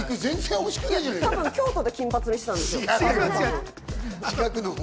多分、京都で金髪にしたんですよ。